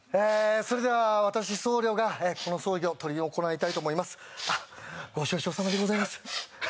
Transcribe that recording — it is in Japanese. それでは私僧侶がこの葬儀を執り行いたいと思いますご愁傷さまでございます